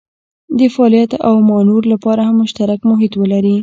د فعالیت او مانور لپاره هم مشترک محیط ولري.